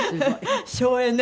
省エネ。